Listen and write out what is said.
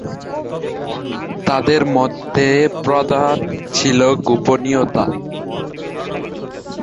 তাদের মধ্যে প্রধান ছিল গোপনীয়তা।